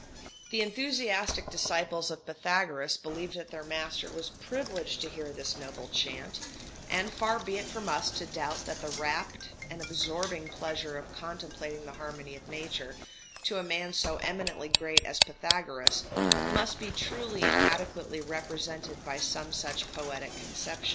] The enthusiastic disciples of Pythagoras believed that their master was privileged to hear this noble chant; and far be it from us to doubt that the rapt and absorbing pleasure of contemplating the harmony of nature, to a man so eminently great as Pythagoras, must be truly and adequately represented by some such poetic conception.